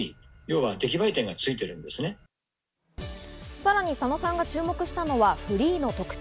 さらに佐野さんが注目したのはフリーの得点。